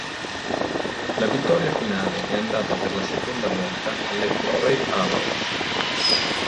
La vittoria finale è andata per la seconda volta alle Toray Arrows.